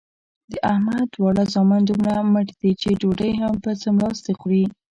د احمد دواړه زامن دومره مټ دي چې ډوډۍ هم په څملاستې خوري.